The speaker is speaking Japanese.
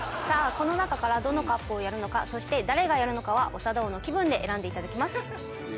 さあこの中からどのＣＵＰをやるのかそして誰がやるのかは長田王の気分で選んで頂きます。